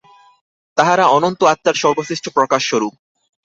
তাঁহারা অনন্ত আত্মার সর্বশ্রেষ্ঠ প্রকাশ-স্বরূপ।